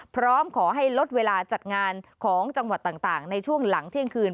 พร้อมขอให้ลดเวลาจัดงานของจังหวัดต่างในช่วงหลังเที่ยงคืน